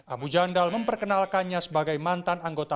abu jandal menyebutkan kekuatan dan kekuatan yang menarik di indonesia